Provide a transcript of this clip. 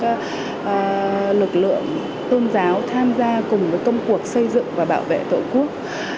các lực lượng tôn giáo tham gia cùng với công cuộc xây dựng và bảo vệ tổ quốc